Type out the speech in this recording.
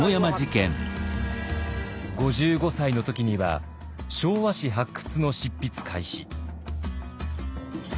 ５５歳の時には「昭和史発掘」の執筆開始。